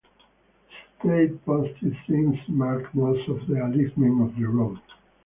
State-posted signs mark most of the alignment of the road.